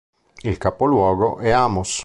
Il capoluogo è Amos.